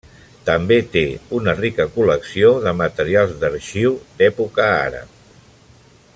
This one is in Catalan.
També té una rica col·lecció de materials d'arxiu d'època àrab.